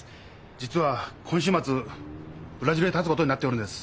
実は今週末ブラジルへたつことになっておるんです。